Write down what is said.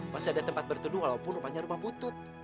masih ada tempat bertuduh walaupun rumahnya rumah butut